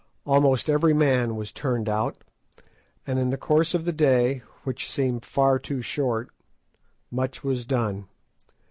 Almost every man was turned out, and in the course of the day, which seemed far too short, much was done.